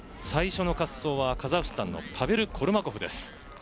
最初の滑走はカザフスタンのパベル・コルマコフです。